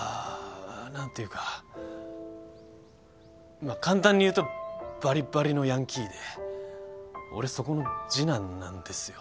まあ簡単にいうとバリバリのヤンキーで俺そこの次男なんですよ。